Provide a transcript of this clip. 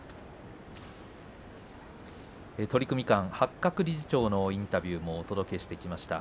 取組間、八角理事長のインタビューもお届けしていきました。